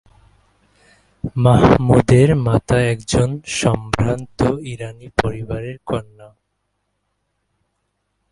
মাহমুদের মাতা একজন সম্ভ্রান্ত ইরানী পরিবারের কন্যা।